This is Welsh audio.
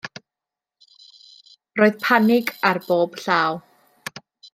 Roedd panig ar bob llaw.